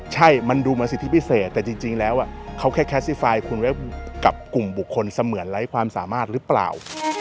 ใช่มันดูเหมือนสิทธิพิเศษแต่จริงแล้วเขาแค่แคสติไฟล์คุณไว้กับกลุ่มบุคคลเสมือนไร้ความสามารถหรือเปล่า